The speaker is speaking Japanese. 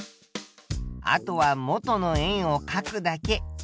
あとは元の円をかくだけ。